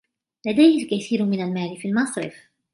لديه الكثير من المال في المصرف.